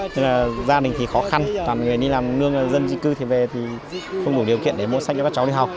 tức là gia đình thì khó khăn toàn người đi làm nương dân di cư thì về thì không đủ điều kiện để mua sách cho các cháu đi học